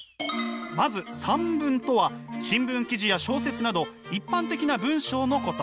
まず散文とは新聞記事や小説など一般的な文章のこと。